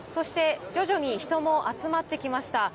徐々に人も集まってきました。